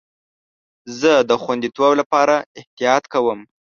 زه د خوندیتوب لپاره احتیاط کوم.